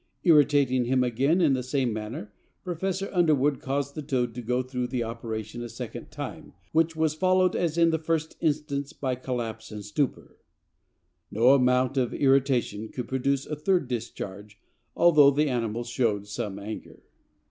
Irritating him again in the same manner, Professor Underwood caused the toad to go through the operation a second time, which was followed, as in the first instance, by collapse and stupor. "No amount of irritation could produce a third discharge, although the animal showed some anger."